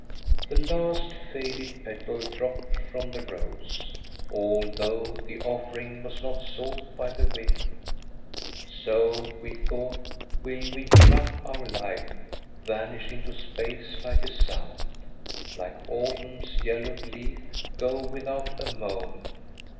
" The last faded petal dropped from the rose, Although the offering was not sought by the wind* So — we thought — will we give up our life, Vanish into space like a sound, Like autumn's yellowed leaf go without a moan.